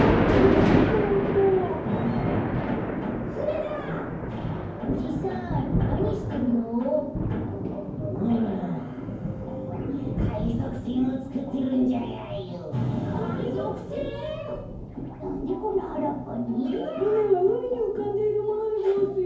ふねはうみにうかんでいるものでごわすよ。